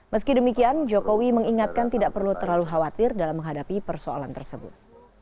meski demikian jokowi mengingatkan tidak perlu terlalu khawatir dalam menghadapi persoalan tersebut